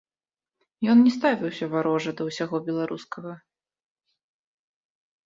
Ён не ставіўся варожа да ўсяго беларускага.